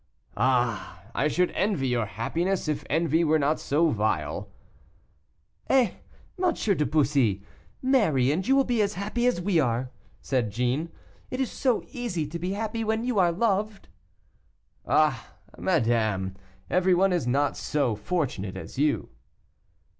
"Ah! I should envy your happiness if envy were not so vile." "Eh! M. de Bussy, marry, and you will be as happy as we are," said Jeanne; "it is so easy to be happy when you are loved." "Ah! madame, everyone is not so fortunate as you."